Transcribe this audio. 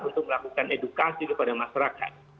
untuk melakukan edukasi kepada masyarakat